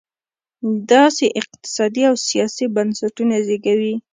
داسې اقتصادي او سیاسي بنسټونه زېږوي.